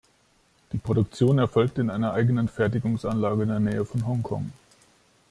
Die Produktion erfolgt in einer eigenen Fertigungsanlage in der Nähe von Hong Kong.